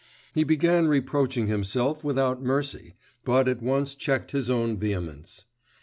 He began reproaching himself without mercy, but at once checked his own vehemence.